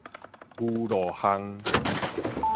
牛路巷